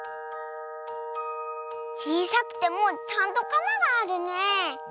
ちいさくてもちゃんとカマがあるね。